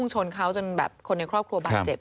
ชนเขาจนแบบคนในครอบครัวบาดเจ็บ